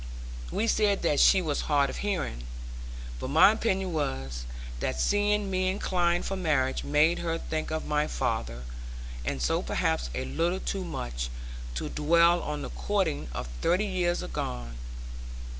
We said that she was hard of hearing; but my opinion was, that seeing me inclined for marriage made her think of my father, and so perhaps a little too much, to dwell on the courting of thirty years agone.